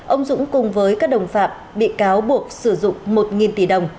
ông dũng cùng với các đồng phạm bị cáo buộc sử dụng một tỷ đồng